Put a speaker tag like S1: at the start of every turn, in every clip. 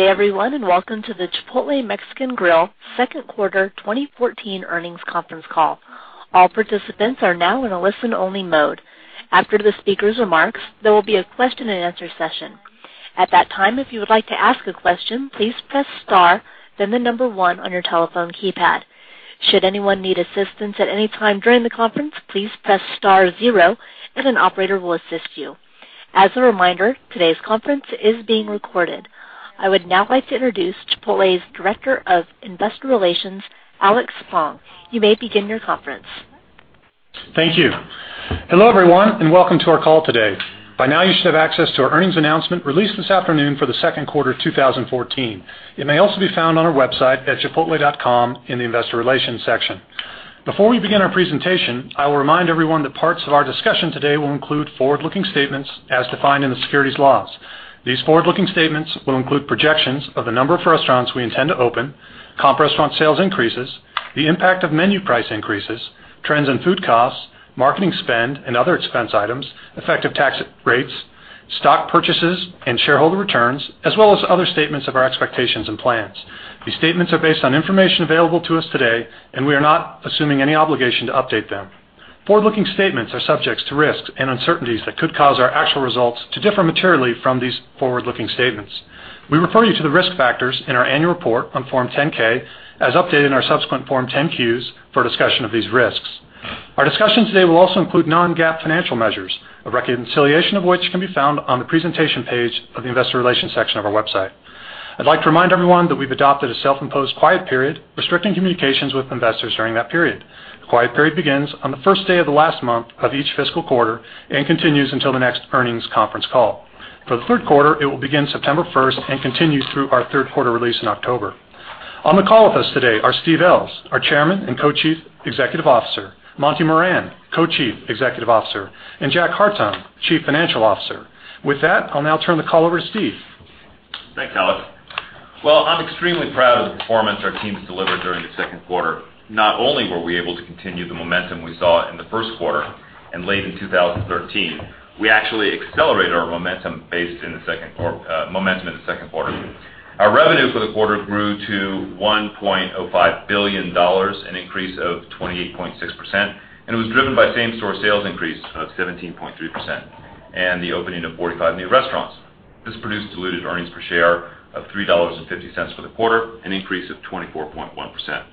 S1: Good day everyone, and welcome to the Chipotle Mexican Grill second quarter 2014 earnings conference call. All participants are now in a listen-only mode. After the speaker's remarks, there will be a question and answer session. At that time, if you would like to ask a question, please press star, then the number one on your telephone keypad. Should anyone need assistance at any time during the conference, please press star zero and an operator will assist you. As a reminder, today's conference is being recorded. I would now like to introduce Chipotle's Director of Investor Relations, Alex Spong. You may begin your conference.
S2: Thank you. Welcome to our call today. By now you should have access to our earnings announcement released this afternoon for the second quarter of 2014. It may also be found on our website at chipotle.com in the investor relations section. Before we begin our presentation, I will remind everyone that parts of our discussion today will include forward-looking statements as defined in the securities laws. These forward-looking statements will include projections of the number of restaurants we intend to open, comp restaurant sales increases, the impact of menu price increases, trends in food costs, marketing spend, other expense items, effective tax rates, stock purchases and shareholder returns, as well as other statements of our expectations and plans. These statements are based on information available to us today. We are not assuming any obligation to update them. Forward-looking statements are subjects to risks and uncertainties that could cause our actual results to differ materially from these forward-looking statements. We refer you to the risk factors in our annual report on Form 10-K as updated in our subsequent Form 10-Q for a discussion of these risks. Our discussion today will also include non-GAAP financial measures, a reconciliation of which can be found on the presentation page of the investor relations section of our website. I'd like to remind everyone that we've adopted a self-imposed quiet period restricting communications with investors during that period. The quiet period begins on the first day of the last month of each fiscal quarter and continues until the next earnings conference call. For the third quarter, it will begin September 1st and continue through our third quarter release in October. On the call with us today are Steve Ells, our Chairman and Co-Chief Executive Officer, Monty Moran, Co-Chief Executive Officer, Jack Hartung, Chief Financial Officer. With that, I'll now turn the call over to Steve.
S3: Thanks, Alex. Well, I'm extremely proud of the performance our team has delivered during the second quarter. Not only were we able to continue the momentum we saw in the first quarter and late in 2013, we actually accelerated our momentum in the second quarter. Our revenue for the quarter grew to $1.05 billion, an increase of 28.6%. It was driven by same-store sales increase of 17.3% and the opening of 45 new restaurants. This produced diluted earnings per share of $3.50 for the quarter, an increase of 24.1%.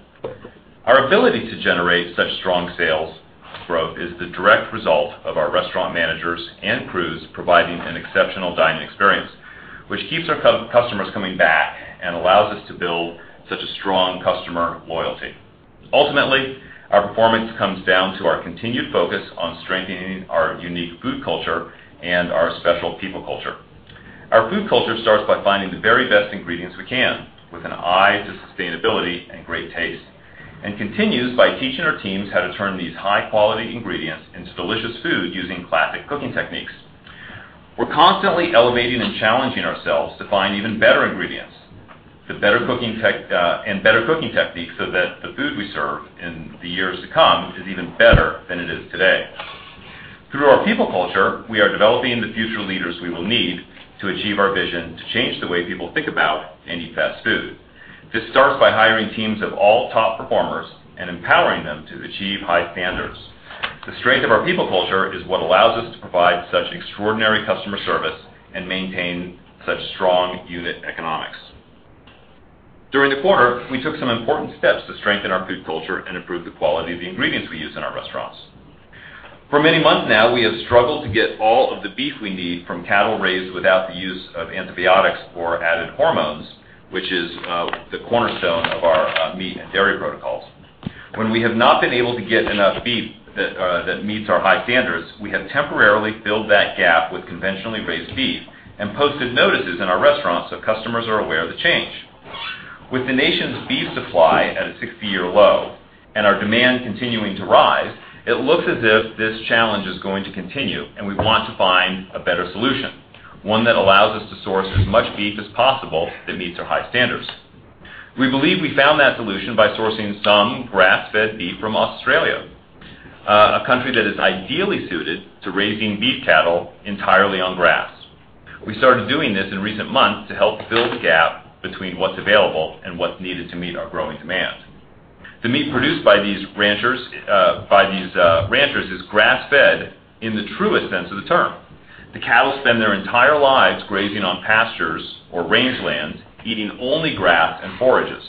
S3: Our ability to generate such strong sales growth is the direct result of our restaurant managers and crews providing an exceptional dining experience, which keeps our customers coming back and allows us to build such a strong customer loyalty. Ultimately, our performance comes down to our continued focus on strengthening our unique food culture and our special people culture. Our food culture starts by finding the very best ingredients we can, with an eye to sustainability and great taste. It continues by teaching our teams how to turn these high-quality ingredients into delicious food using classic cooking techniques. We're constantly elevating and challenging ourselves to find even better ingredients and better cooking techniques so that the food we serve in the years to come is even better than it is today. Through our people culture, we are developing the future leaders we will need to achieve our vision to change the way people think about and eat fast food. This starts by hiring teams of all top performers and empowering them to achieve high standards. The strength of our people culture is what allows us to provide such extraordinary customer service and maintain such strong unit economics. During the quarter, we took some important steps to strengthen our food culture and improve the quality of the ingredients we use in our restaurants. For many months now, we have struggled to get all of the beef we need from cattle raised without the use of antibiotics or added hormones, which is the cornerstone of our meat and dairy protocols. When we have not been able to get enough beef that meets our high standards, we have temporarily filled that gap with conventionally raised beef and posted notices in our restaurants so customers are aware of the change. With the nation's beef supply at a 60-year low and our demand continuing to rise, it looks as if this challenge is going to continue. We want to find a better solution, one that allows us to source as much beef as possible that meets our high standards. We believe we found that solution by sourcing some grass-fed beef from Australia, a country that is ideally suited to raising beef cattle entirely on grass. We started doing this in recent months to help fill the gap between what's available and what's needed to meet our growing demand. The meat produced by these ranchers is grass-fed in the truest sense of the term. The cattle spend their entire lives grazing on pastures or rangeland, eating only grass and forages.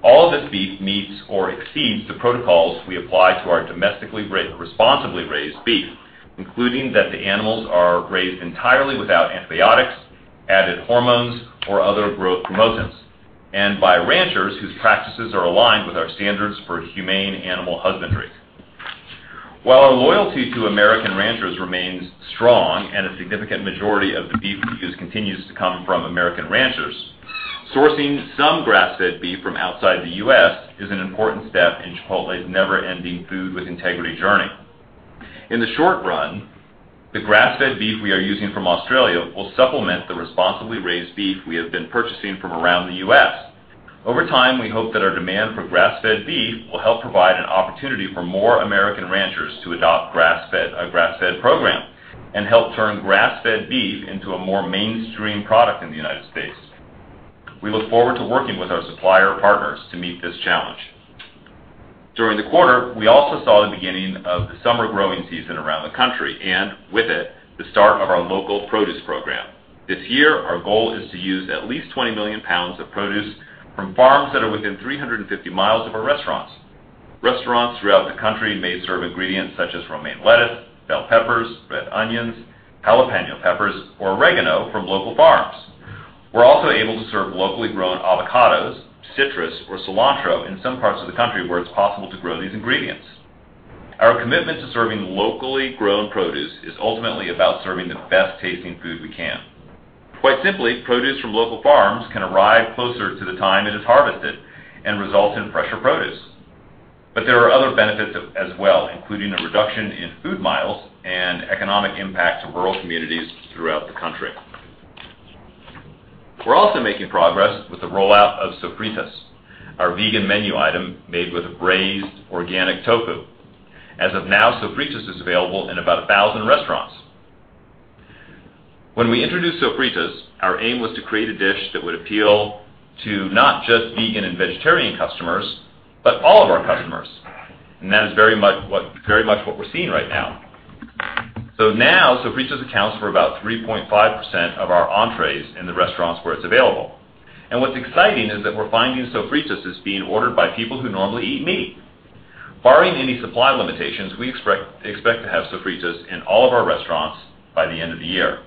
S3: All this beef meets or exceeds the protocols we apply to our domestically responsibly raised beef, including that the animals are raised entirely without antibiotics, added hormones, or other growth promotants. By ranchers whose practices are aligned with our standards for humane animal husbandry. While our loyalty to American ranchers remains strong and a significant majority of the beef we use continues to come from American ranchers, sourcing some grass-fed beef from outside the U.S. is an important step in Chipotle's never-ending Food with Integrity journey. In the short run, the grass-fed beef we are using from Australia will supplement the responsibly raised beef we have been purchasing from around the U.S. Over time, we hope that our demand for grass-fed beef will help provide an opportunity for more American ranchers to adopt a grass-fed program and help turn grass-fed beef into a more mainstream product in the United States. We look forward to working with our supplier partners to meet this challenge. During the quarter, we also saw the beginning of the summer growing season around the country, and with it, the start of our local produce program. This year, our goal is to use at least 20 million pounds of produce from farms that are within 350 miles of our restaurants. Restaurants throughout the country may serve ingredients such as romaine lettuce, bell peppers, red onions, jalapeno peppers, or oregano from local farms. We're also able to serve locally grown avocados, citrus, or cilantro in some parts of the country where it's possible to grow these ingredients. Our commitment to serving locally grown produce is ultimately about serving the best-tasting food we can. Quite simply, produce from local farms can arrive closer to the time it is harvested and result in fresher produce. There are other benefits as well, including a reduction in food miles and economic impact to rural communities throughout the country. We're also making progress with the rollout of Sofritas, our vegan menu item made with braised organic tofu. As of now, Sofritas is available in about 1,000 restaurants. When we introduced Sofritas, our aim was to create a dish that would appeal to not just vegan and vegetarian customers, but all of our customers, and that is very much what we're seeing right now. Now, Sofritas accounts for about 3.5% of our entrees in the restaurants where it's available. What's exciting is that we're finding Sofritas is being ordered by people who normally eat meat. Barring any supply limitations, we expect to have Sofritas in all of our restaurants by the end of the year.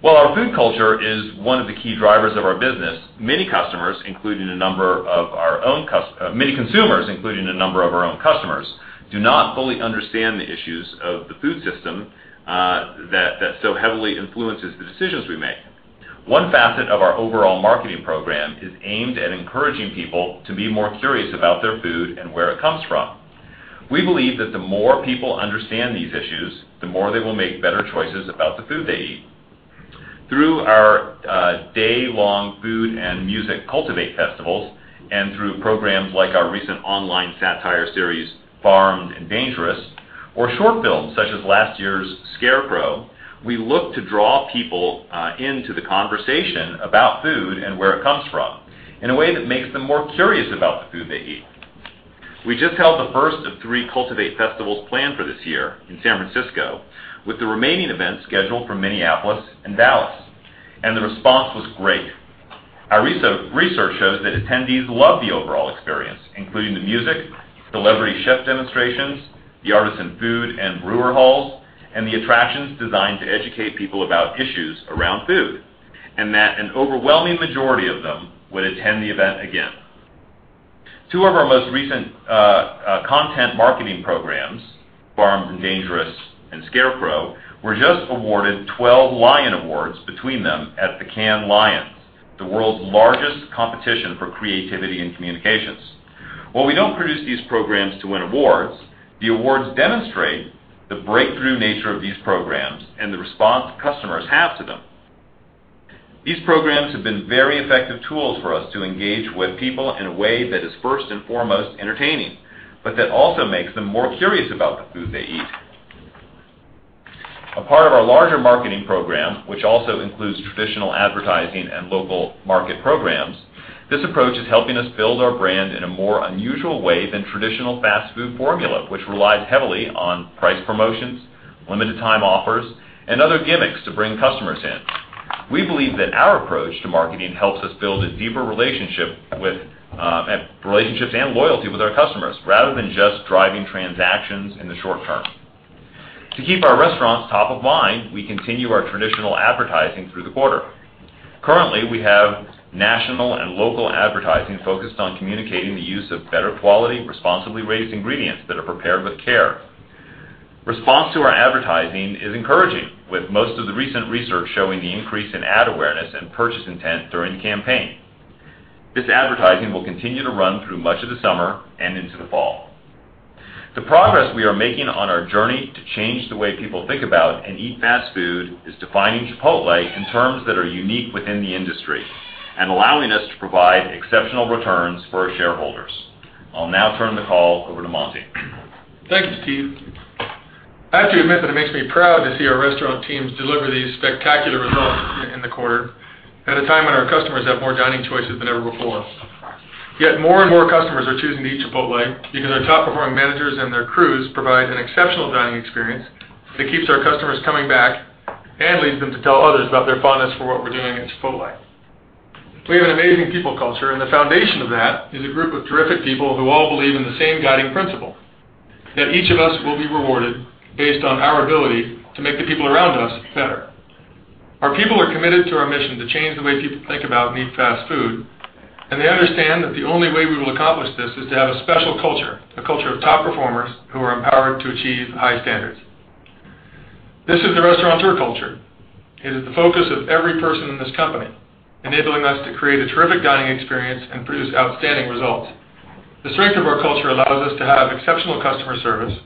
S3: While our food culture is one of the key drivers of our business, many consumers, including a number of our own customers, do not fully understand the issues of the food system that so heavily influences the decisions we make. One facet of our overall marketing program is aimed at encouraging people to be more curious about their food and where it comes from. We believe that the more people understand these issues, the more they will make better choices about the food they eat. Through our day-long food and music Cultivate Festivals, and through programs like our recent online satire series, "Farmed and Dangerous," or short films such as last year's "The Scarecrow," we look to draw people into the conversation about food and where it comes from in a way that makes them more curious about the food they eat. We just held the first of 3 Cultivate Festivals planned for this year in San Francisco, with the remaining events scheduled for Minneapolis and Dallas. The response was great. Our research shows that attendees love the overall experience, including the music, celebrity chef demonstrations, the artisan food and brewer halls, and the attractions designed to educate people about issues around food, and that an overwhelming majority of them would attend the event again. Two of our most recent content marketing programs, "Farmed and Dangerous" and "Scarecrow," were just awarded 12 Lion Awards between them at the Cannes Lions, the world's largest competition for creativity in communications. While we don't produce these programs to win awards, the awards demonstrate the breakthrough nature of these programs and the response customers have to them. These programs have been very effective tools for us to engage with people in a way that is first and foremost entertaining, but that also makes them more curious about the food they eat. A part of our larger marketing program, which also includes traditional advertising and local market programs, this approach is helping us build our brand in a more unusual way than traditional fast food formula, which relies heavily on price promotions, limited-time offers, and other gimmicks to bring customers in. We believe that our approach to marketing helps us build deeper relationships and loyalty with our customers rather than just driving transactions in the short term. To keep our restaurants top of mind, we continue our traditional advertising through the quarter. Currently, we have national and local advertising focused on communicating the use of better quality, responsibly raised ingredients that are prepared with care. Response to our advertising is encouraging, with most of the recent research showing the increase in ad awareness and purchase intent during the campaign. This advertising will continue to run through much of the summer and into the fall. The progress we are making on our journey to change the way people think about and eat fast food is defining Chipotle in terms that are unique within the industry and allowing us to provide exceptional returns for our shareholders. I'll now turn the call over to Monty.
S4: Thank you, Steve. I have to admit that it makes me proud to see our restaurant teams deliver these spectacular results in the quarter at a time when our customers have more dining choices than ever before. Yet more and more customers are choosing to eat Chipotle because their top-performing managers and their crews provide an exceptional dining experience that keeps our customers coming back and leads them to tell others about their fondness for what we're doing at Chipotle. We have an amazing people culture, and the foundation of that is a group of terrific people who all believe in the same guiding principle: that each of us will be rewarded based on our ability to make the people around us better. Our people are committed to our mission to change the way people think about and eat fast food, and they understand that the only way we will accomplish this is to have a special culture, a culture of top performers who are empowered to achieve high standards. This is the restaurateur culture. It is the focus of every person in this company, enabling us to create a terrific dining experience and produce outstanding results. The strength of our culture allows us to have exceptional customer service.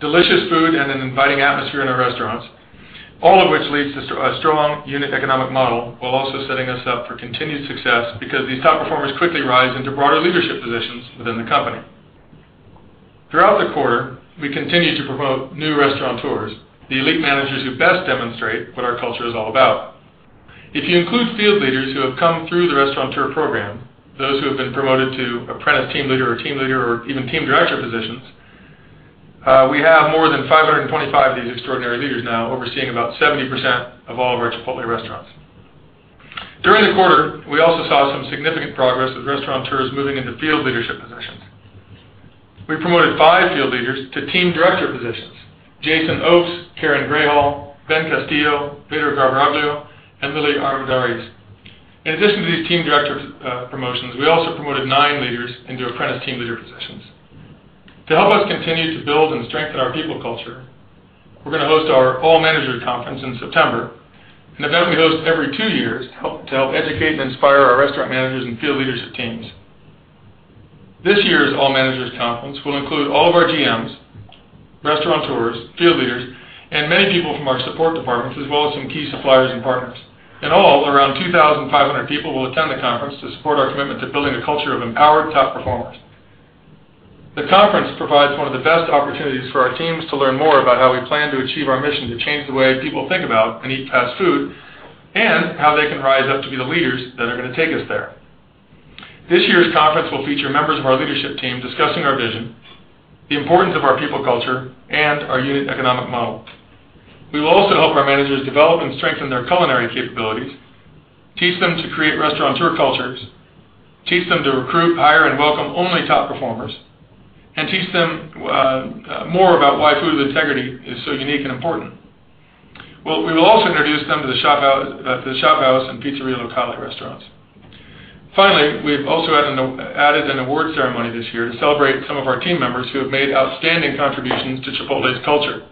S4: Delicious food and an inviting atmosphere in our restaurants, all of which leads to a strong unit economic model, while also setting us up for continued success because these top performers quickly rise into broader leadership positions within the company. Throughout the quarter, we continued to promote new restaurateurs, the elite managers who best demonstrate what our culture is all about. If you include field leaders who have come through the Restaurateur program, those who have been promoted to apprentice team leader or team leader, or even team director positions, we have more than 525 of these extraordinary leaders now overseeing about 70% of all of our Chipotle restaurants. During the quarter, we also saw some significant progress with restaurateurs moving into field leadership positions. We promoted five field leaders to team director positions. Jason Oakes, Karen Grayhall, Ben Castillo, [Victor [Garbraglio], and Lily Armendariz. In addition to these team director promotions, we also promoted nine leaders into apprentice team leader positions. To help us continue to build and strengthen our people culture, we're going to host our All Managers' Conference in September, an event we host every two years to help educate and inspire our restaurant managers and field leadership teams. This year's All Managers' Conference will include all of our GMs, restaurateurs, field leaders, and many people from our support departments, as well as some key suppliers and partners. In all, around 2,500 people will attend the conference to support our commitment to building a culture of empowered top performers. The conference provides one of the best opportunities for our teams to learn more about how we plan to achieve our mission to change the way people think about and eat fast food, and how they can rise up to be the leaders that are going to take us there. This year's conference will feature members of our leadership team discussing our vision, the importance of our people culture, and our unit economic model. We will also help our managers develop and strengthen their culinary capabilities, teach them to create restaurateur cultures, teach them to recruit, hire, and welcome only top performers, and teach them more about why food integrity is so unique and important. We will also introduce them to the ShopHouse and Pizzeria Locale restaurants. Finally, we've also added an awards ceremony this year to celebrate some of our team members who have made outstanding contributions to Chipotle's culture.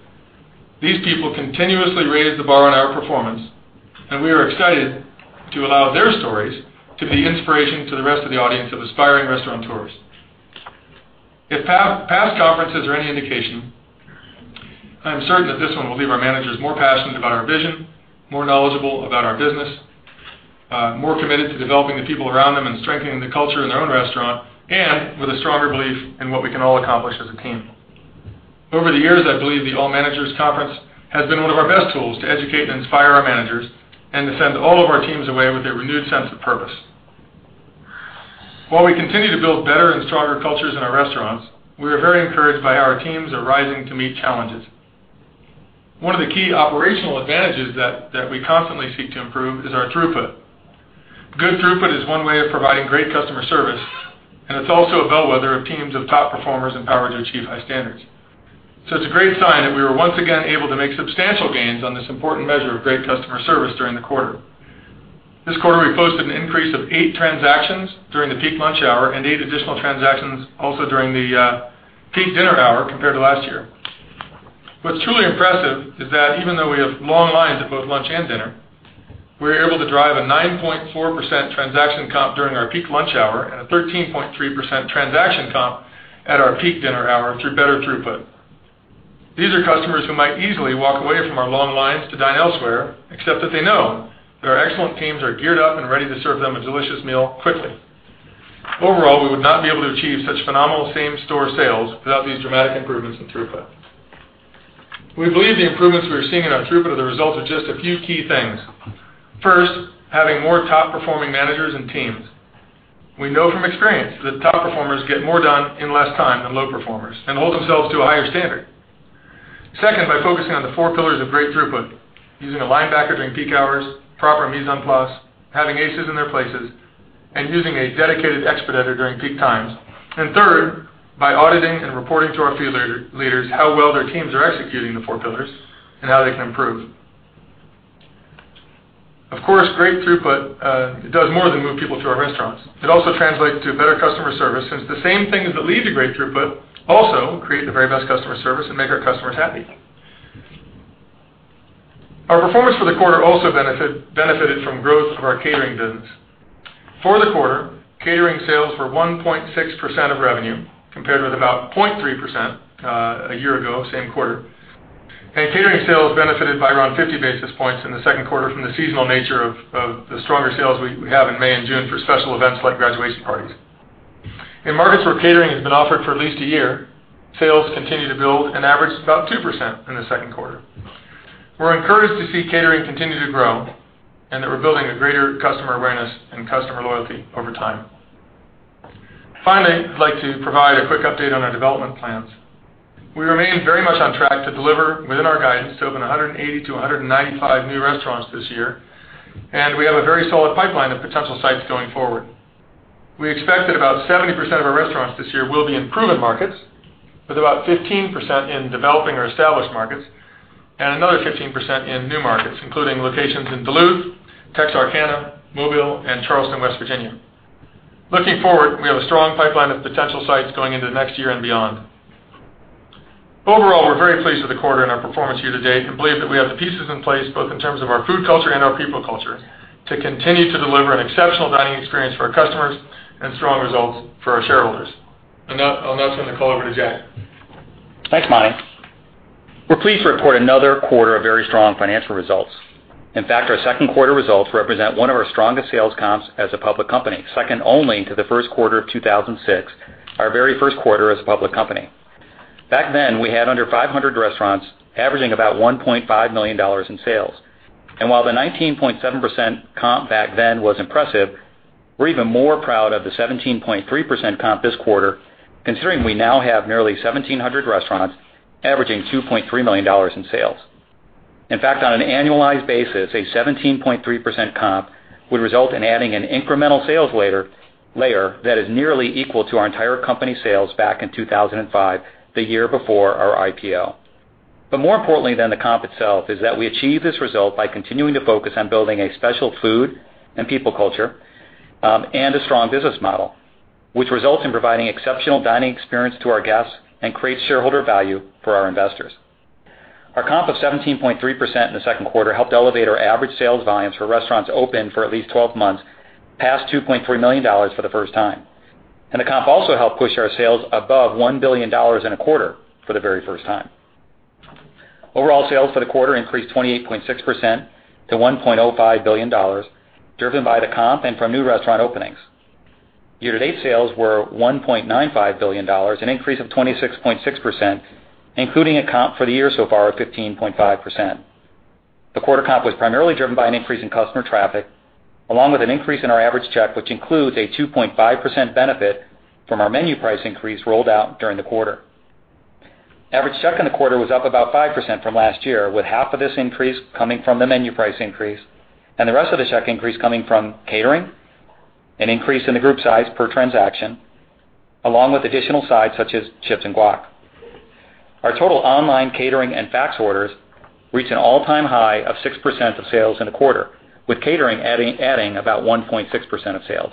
S4: These people continuously raise the bar on our performance, and we are excited to allow their stories to be inspiration to the rest of the audience of aspiring restaurateurs. If past conferences are any indication, I am certain that this one will leave our managers more passionate about our vision, more knowledgeable about our business, more committed to developing the people around them, and strengthening the culture in their own restaurant, and with a stronger belief in what we can all accomplish as a team. Over the years, I believe the All Managers' Conference has been one of our best tools to educate and inspire our managers and to send all of our teams away with a renewed sense of purpose. While we continue to build better and stronger cultures in our restaurants, we are very encouraged by our teams arising to meet challenges. One of the key operational advantages that we constantly seek to improve is our throughput. Good throughput is one way of providing great customer service, and it's also a bellwether of teams of top performers empowered to achieve high standards. It's a great sign that we were once again able to make substantial gains on this important measure of great customer service during the quarter. This quarter, we posted an increase of eight transactions during the peak lunch hour and eight additional transactions also during the peak dinner hour, compared to last year. What's truly impressive is that even though we have long lines at both lunch and dinner, we are able to drive a 9.4% transaction comp during our peak lunch hour and a 13.3% transaction comp at our peak dinner hour through better throughput. These are customers who might easily walk away from our long lines to dine elsewhere, except that they know that our excellent teams are geared up and ready to serve them a delicious meal quickly. Overall, we would not be able to achieve such phenomenal same-store sales without these dramatic improvements in throughput. We believe the improvements we are seeing in our throughput are the result of just a few key things. First, having more top-performing managers and teams. We know from experience that top performers get more done in less time than low performers and hold themselves to a higher standard. Second, by focusing on the Four Pillars of Great Throughput, using a linebacker during peak hours, proper mise en place, having aces in their places, and using a dedicated expeditor during peak times. Third, by auditing and reporting to our field leaders how well their teams are executing the Four Pillars and how they can improve. Of course, great throughput does more than move people through our restaurants. It also translates to better customer service, since the same things that lead to great throughput also create the very best customer service and make our customers happy. Our performance for the quarter also benefited from growth of our catering business. For the quarter, catering sales were 1.6% of revenue, compared with about 0.3% a year ago, same quarter. Catering sales benefited by around 50 basis points in the second quarter from the seasonal nature of the stronger sales we have in May and June for special events like graduation parties. In markets where catering has been offered for at least a year, sales continue to build and averaged about 2% in the second quarter. We're encouraged to see catering continue to grow and that we're building a greater customer awareness and customer loyalty over time. Finally, I'd like to provide a quick update on our development plans. We remain very much on track to deliver within our guidance to open 180 to 195 new restaurants this year. We have a very solid pipeline of potential sites going forward. We expect that about 70% of our restaurants this year will be in proven markets, with about 15% in developing or established markets, and another 15% in new markets, including locations in Duluth, Texarkana, Mobile, and Charleston, West Virginia. Looking forward, we have a strong pipeline of potential sites going into next year and beyond. Overall, we're very pleased with the quarter and our performance year to date and believe that we have the pieces in place both in terms of our food culture and our people culture to continue to deliver an exceptional dining experience for our customers and strong results for our shareholders. Now I'll now turn the call over to Jack.
S5: Thanks, Monty. We're pleased to report another quarter of very strong financial results. In fact, our second quarter results represent one of our strongest sales comps as a public company, second only to the first quarter of 2006, our very first quarter as a public company. Back then, we had under 500 restaurants averaging about $1.5 million in sales. While the 19.7% comp back then was impressive, we're even more proud of the 17.3% comp this quarter, considering we now have nearly 1,700 restaurants averaging $2.3 million in sales. In fact, on an annualized basis, a 17.3% comp would result in adding an incremental sales layer that is nearly equal to our entire company sales back in 2005, the year before our IPO. More importantly than the comp itself is that we achieve this result by continuing to focus on building a special food and people culture, and a strong business model, which results in providing exceptional dining experience to our guests and creates shareholder value for our investors. Our comp of 17.3% in the second quarter helped elevate our average sales volumes for restaurants open for at least 12 months, past $2.3 million for the first time. The comp also helped push our sales above $1 billion in a quarter for the very first time. Overall sales for the quarter increased 28.6% to $1.05 billion, driven by the comp and from new restaurant openings. Year-to-date sales were $1.95 billion, an increase of 26.6%, including a comp for the year so far of 15.5%. The quarter comp was primarily driven by an increase in customer traffic, along with an increase in our average check, which includes a 2.5% benefit from our menu price increase rolled out during the quarter. Average check in the quarter was up about 5% from last year, with half of this increase coming from the menu price increase, and the rest of the check increase coming from catering, an increase in the group size per transaction, along with additional sides such as chips and guac. Our total online catering and fax orders reached an all-time high of 6% of sales in a quarter, with catering adding about 1.6% of sales.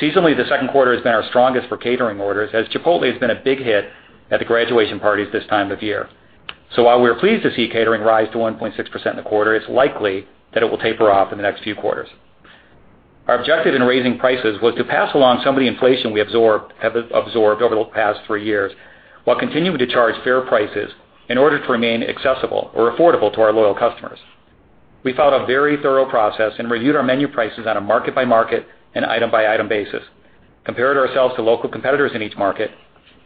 S5: Seasonally, the second quarter has been our strongest for catering orders, as Chipotle has been a big hit at the graduation parties this time of year. While we're pleased to see catering rise to 1.6% in the quarter, it's likely that it will taper off in the next few quarters. Our objective in raising prices was to pass along some of the inflation we have absorbed over the past three years while continuing to charge fair prices in order to remain accessible or affordable to our loyal customers. We followed a very thorough process and reviewed our menu prices on a market-by-market and item-by-item basis, compared ourselves to local competitors in each market,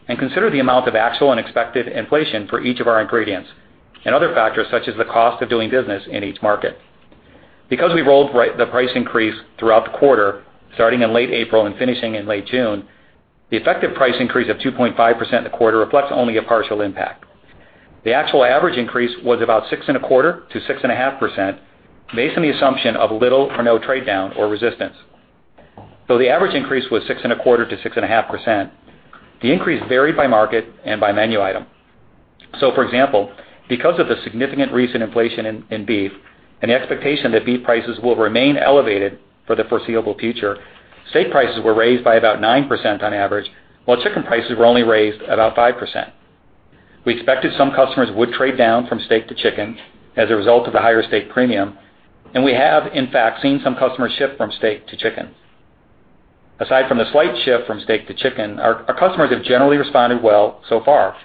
S5: and considered the amount of actual and expected inflation for each of our ingredients and other factors such as the cost of doing business in each market. Because we rolled the price increase throughout the quarter, starting in late April and finishing in late June, the effective price increase of 2.5% in the quarter reflects only a partial impact. The actual average increase was about six and a quarter to 6.5%, based on the assumption of little or no trade down or resistance. Though the average increase was six and a quarter to 6.5%, the increase varied by market and by menu item. For example, because of the significant recent inflation in beef and the expectation that beef prices will remain elevated for the foreseeable future, steak prices were raised by about 9% on average, while chicken prices were only raised about 5%. We expected some customers would trade down from steak to chicken as a result of the higher steak premium, and we have, in fact, seen some customers shift from steak to chicken. Aside from the slight shift from steak to chicken, our customers have generally responded well so far,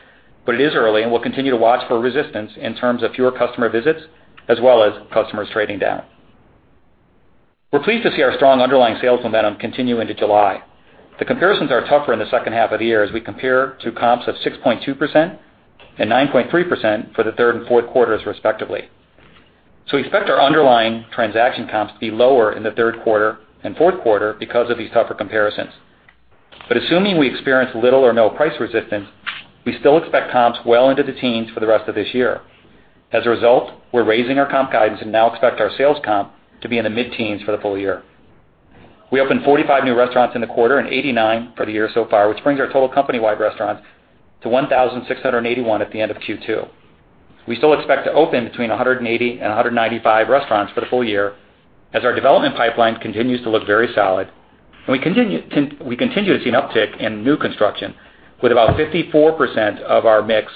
S5: but it is early, and we'll continue to watch for resistance in terms of fewer customer visits, as well as customers trading down. We're pleased to see our strong underlying sales momentum continue into July. The comparisons are tougher in the second half of the year as we compare to comps of 6.2% and 9.3% for the third and fourth quarters respectively. We expect our underlying transaction comps to be lower in the third quarter and fourth quarter because of these tougher comparisons. Assuming we experience little or no price resistance, we still expect comps well into the teens for the rest of this year. As a result, we're raising our comp guidance and now expect our sales comp to be in the mid-teens for the full year. We opened 45 new restaurants in the quarter and 89 for the year so far, which brings our total company-wide restaurants to 1,681 at the end of Q2. We still expect to open between 180 and 195 restaurants for the full year as our development pipeline continues to look very solid, and we continue to see an uptick in new construction with about 54% of our mix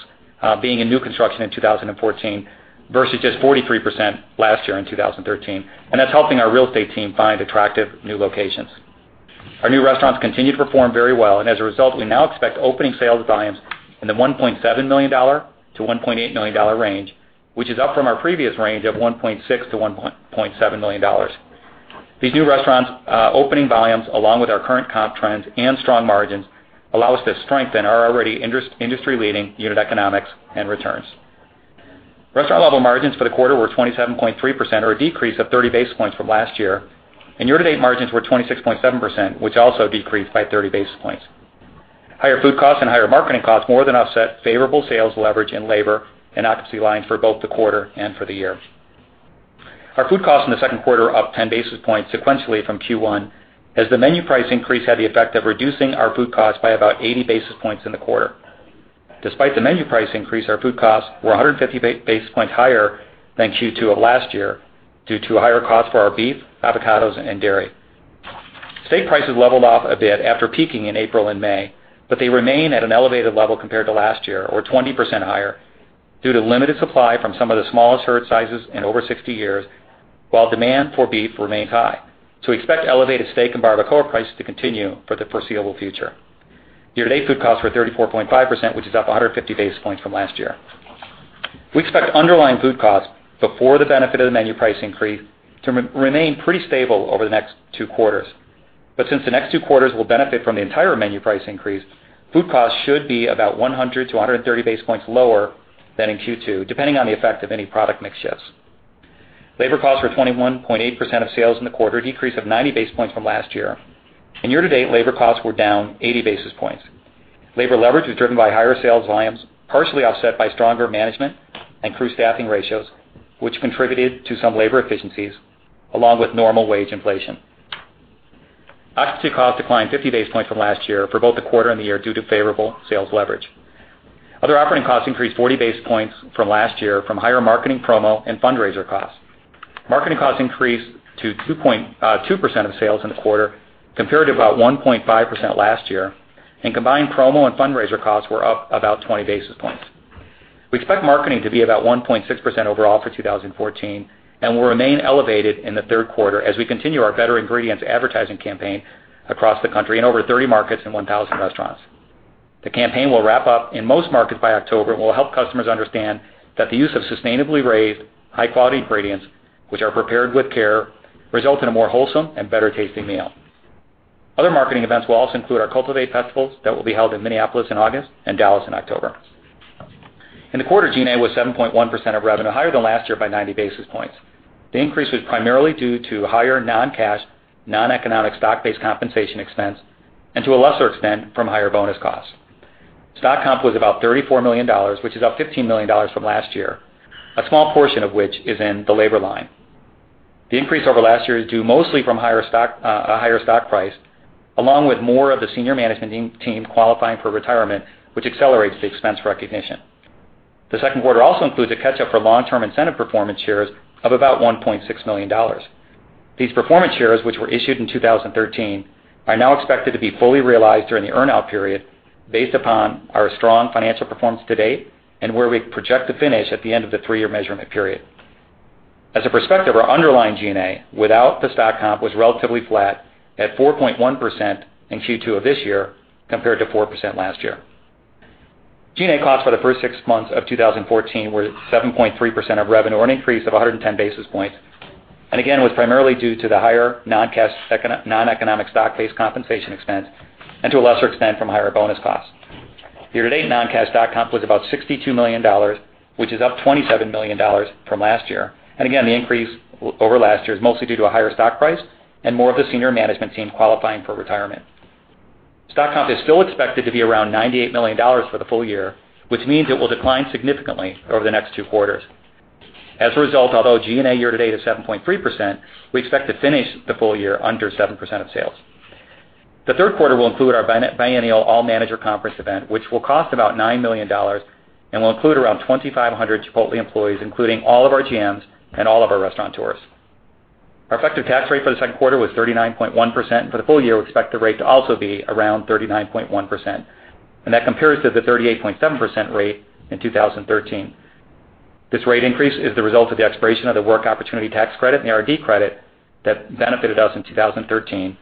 S5: being in new construction in 2014, versus just 43% last year in 2013. That's helping our real estate team find attractive new locations. Our new restaurants continue to perform very well, as a result, we now expect opening sales volumes in the $1.7 million-$1.8 million range, which is up from our previous range of $1.6 million-$1.7 million. These new restaurants opening volumes, along with our current comp trends and strong margins, allow us to strengthen our already industry-leading unit economics and returns. Restaurant-level margins for the quarter were 27.3%, or a decrease of 30 basis points from last year, and year-to-date margins were 26.7%, which also decreased by 30 basis points. Higher food costs and higher marketing costs more than offset favorable sales leverage and labor and occupancy lines for both the quarter and for the year. Our food costs in the second quarter were up 10 basis points sequentially from Q1, as the menu price increase had the effect of reducing our food cost by about 80 basis points in the quarter. Despite the menu price increase, our food costs were 150 basis points higher than Q2 of last year due to higher costs for our beef, avocados, and dairy. Steak prices leveled off a bit after peaking in April and May, but they remain at an elevated level compared to last year, or 20% higher, due to limited supply from some of the smallest herd sizes in over 60 years, while demand for beef remains high. We expect elevated steak and barbacoa prices to continue for the foreseeable future. Year-to-date food costs were 34.5%, which is up 150 basis points from last year. We expect underlying food costs before the benefit of the menu price increase to remain pretty stable over the next two quarters. Since the next two quarters will benefit from the entire menu price increase, food costs should be about 100-130 basis points lower than in Q2, depending on the effect of any product mix shifts. Labor costs were 21.8% of sales in the quarter, a decrease of 90 basis points from last year. Year-to-date labor costs were down 80 basis points. Labor leverage was driven by higher sales volumes, partially offset by stronger management and crew staffing ratios, which contributed to some labor efficiencies, along with normal wage inflation. Occupancy costs declined 50 basis points from last year for both the quarter and the year due to favorable sales leverage. Other operating costs increased 40 basis points from last year from higher marketing promo and fundraiser costs. Marketing costs increased to 2% of sales in the quarter, compared to about 1.5% last year, and combined promo and fundraiser costs were up about 20 basis points. We expect marketing to be about 1.6% overall for 2014, will remain elevated in the third quarter as we continue our Better Ingredients advertising campaign across the country in over 30 markets and 1,000 restaurants. The campaign will wrap up in most markets by October and will help customers understand that the use of sustainably raised, high-quality ingredients, which are prepared with care, result in a more wholesome and better-tasting meal. Other marketing events will also include our Cultivate festivals that will be held in Minneapolis in August and Dallas in October. In the quarter, G&A was 7.1% of revenue, higher than last year by 90 basis points. The increase was primarily due to higher non-cash, non-economic stock-based compensation expense, to a lesser extent, from higher bonus costs. Stock comp was about $34 million, which is up $15 million from last year, a small portion of which is in the labor line. The increase over last year is due mostly from a higher stock price, along with more of the senior management team qualifying for retirement, which accelerates the expense recognition. The second quarter also includes a catch-up for long-term incentive performance shares of about $1.6 million. These performance shares, which were issued in 2013, are now expected to be fully realized during the earn-out period based upon our strong financial performance to date and where we project to finish at the end of the three-year measurement period. As a perspective, our underlying G&A, without the stock comp, was relatively flat at 4.1% in Q2 of this year, compared to 4% last year. G&A costs for the first six months of 2014 were 7.3% of revenue, an increase of 110 basis points, again, was primarily due to the higher non-cash, non-economic stock-based compensation expense, to a lesser extent, from higher bonus costs. Year-to-date non-cash stock comp was about $62 million, which is up $27 million from last year. Again, the increase over last year is mostly due to a higher stock price and more of the senior management team qualifying for retirement. Stock comp is still expected to be around $98 million for the full year, which means it will decline significantly over the next two quarters. As a result, although G&A year-to-date is 7.3%, we expect to finish the full year under 7% of sales. The third quarter will include our biennial All Managers' Conference event, which will cost about $9 million, will include around 2,500 Chipotle employees, including all of our GMs and all of our restaurateurs. Our effective tax rate for the second quarter was 39.1%, for the full year, we expect the rate to also be around 39.1%. That compares to the 38.7% rate in 2013. This rate increase is the result of the expiration of the Work Opportunity Tax Credit and the R&D credit that benefited us in 2013,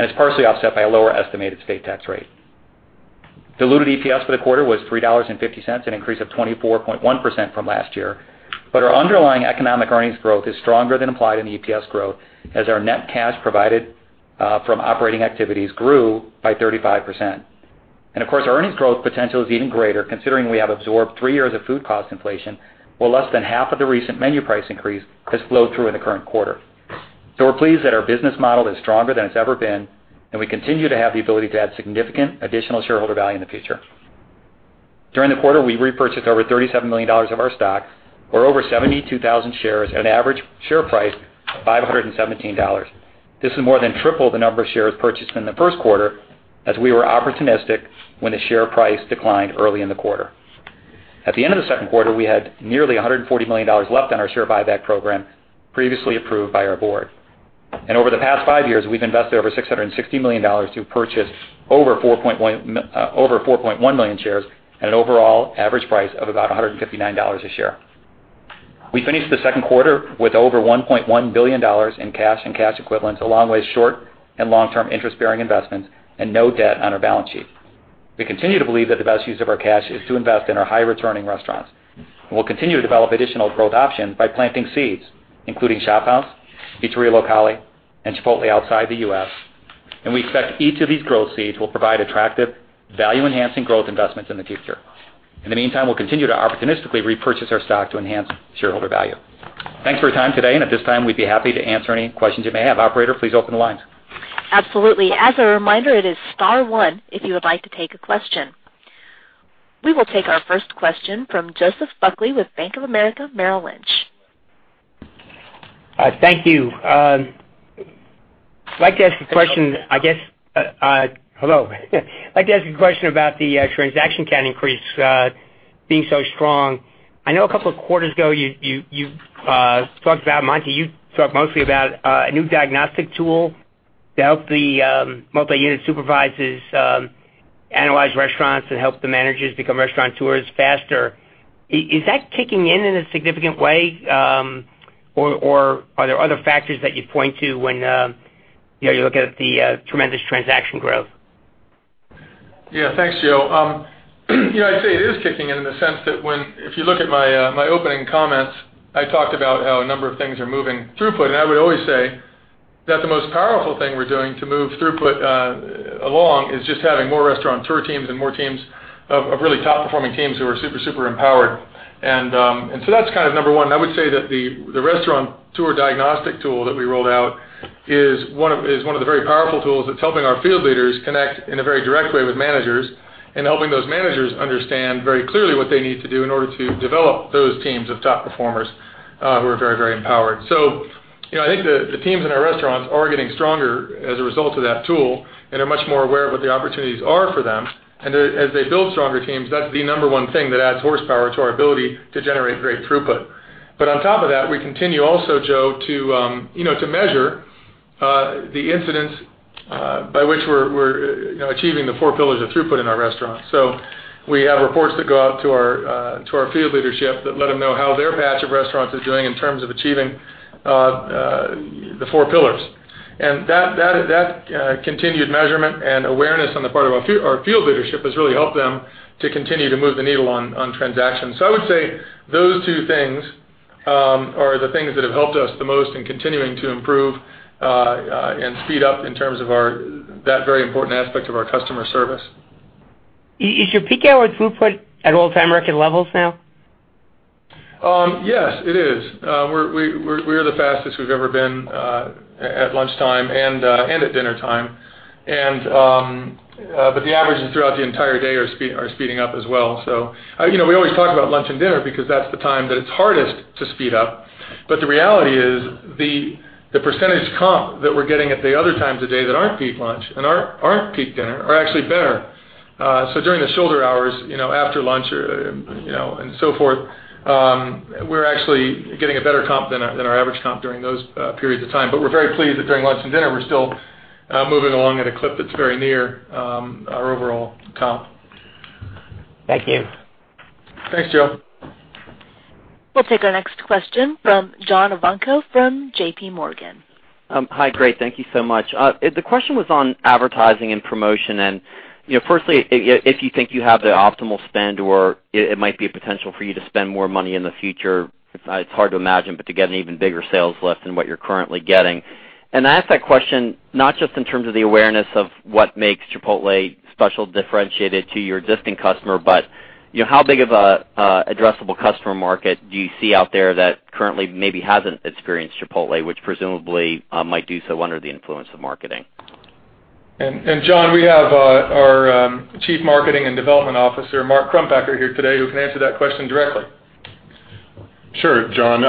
S5: is partially offset by a lower estimated state tax rate. Diluted EPS for the quarter was $3.50, an increase of 24.1% from last year. Our underlying economic earnings growth is stronger than implied in the EPS growth, as our net cash provided from operating activities grew by 35%. Of course, our earnings growth potential is even greater considering we have absorbed 3 years of food cost inflation, while less than half of the recent menu price increase has flowed through in the current quarter. We're pleased that our business model is stronger than it's ever been, and we continue to have the ability to add significant additional shareholder value in the future. During the quarter, we repurchased over $37 million of our stock, or over 72,000 shares at an average share price of $517. This is more than triple the number of shares purchased in the first quarter, as we were opportunistic when the share price declined early in the quarter. At the end of the second quarter, we had nearly $140 million left on our share buyback program previously approved by our board. Over the past five years, we've invested over $660 million to purchase over 4.1 million shares at an overall average price of about $159 a share. We finished the second quarter with over $1.1 billion in cash and cash equivalents, along with short and long-term interest-bearing investments and no debt on our balance sheet. We continue to believe that the best use of our cash is to invest in our high-returning restaurants. We'll continue to develop additional growth options by planting seeds, including ShopHouse, Pizzeria Locale, and Chipotle outside the U.S. We expect each of these growth seeds will provide attractive, value-enhancing growth investments in the future. In the meantime, we'll continue to opportunistically repurchase our stock to enhance shareholder value. Thanks for your time today, and at this time, we'd be happy to answer any questions you may have. Operator, please open the lines.
S1: Absolutely. As a reminder, it is star one if you would like to take a question. We will take our first question from Joseph Buckley with Bank of America Merrill Lynch.
S6: Thank you. Hello. I'd like to ask a question about the transaction count increase. The increase is being so strong. I know a couple of quarters ago, Monty, you talked mostly about a new diagnostic tool to help the multi-unit supervisors analyze restaurants and help the managers become restaurateurs faster. Is that kicking in in a significant way? Or are there other factors that you point to when you look at the tremendous transaction growth?
S4: Yeah. Thanks, Joe. I'd say it is kicking in the sense that when If you look at my opening comments, I talked about how a number of things are moving throughput. I would always say that the most powerful thing we're doing to move throughput along is just having more restaurateur teams and more teams of really top-performing teams who are super empowered. That's kind of number one. I would say that the Restaurateur Diagnostic Tool that we rolled out is one of the very powerful tools that's helping our field leaders connect in a very direct way with managers and helping those managers understand very clearly what they need to do in order to develop those teams of top performers who are very empowered. I think the teams in our restaurants are getting stronger as a result of that tool, and are much more aware of what the opportunities are for them. As they build stronger teams, that's the number one thing that adds horsepower to our ability to generate great throughput. On top of that, we continue also, Joe, to measure the incidents by which we're achieving the Four Pillars of Great Throughput in our restaurants. We have reports that go out to our field leadership that let them know how their patch of restaurants is doing in terms of achieving the Four Pillars. That continued measurement and awareness on the part of our field leadership has really helped them to continue to move the needle on transactions. I would say those two things are the things that have helped us the most in continuing to improve, and speed up in terms of that very important aspect of our customer service.
S6: Is your peak hour throughput at all-time record levels now?
S4: Yes, it is. We're the fastest we've ever been at lunchtime and at dinner time. The averages throughout the entire day are speeding up as well. We always talk about lunch and dinner because that's the time that it's hardest to speed up. The reality is, the percentage comp that we're getting at the other times of day that aren't peak lunch and aren't peak dinner are actually better. During the shoulder hours, after lunch, and so forth, we're actually getting a better comp than our average comp during those periods of time. We're very pleased that during lunch and dinner, we're still moving along at a clip that's very near our overall comp.
S6: Thank you.
S4: Thanks, Joe.
S1: We'll take our next question from John Ivankoe from JPMorgan.
S7: Hi, great. Thank you so much. The question was on advertising and promotion, firstly, if you think you have the optimal spend or it might be a potential for you to spend more money in the future, it's hard to imagine, but to get an even bigger sales lift than what you're currently getting. I ask that question, not just in terms of the awareness of what makes Chipotle special, differentiated to your existing customer, but how big of an addressable customer market do you see out there that currently maybe hasn't experienced Chipotle, which presumably might do so under the influence of marketing?
S4: John, we have our Chief Marketing and Development Officer, Mark Crumpacker, here today who can answer that question directly.
S8: Sure, John.